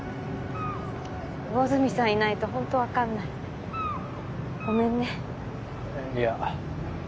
魚住さんいないとほんと分かんないごめんねいや